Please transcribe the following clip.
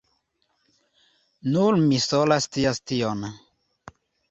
Nur mi sola scias tion.